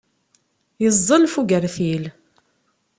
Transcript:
Yeẓẓel ɣef ugertil.